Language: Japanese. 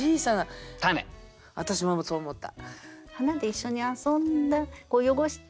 私もそう思った。